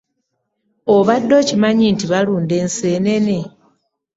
Obadde okimanyi nti balunda ensenene ?